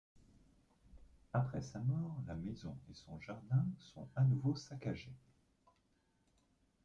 Après sa mort, la maison et son jardin sont à nouveau saccagés.